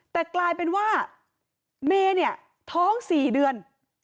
แต่กลายเป็นว่าเมย์เนี่ยท้อง๔เดือน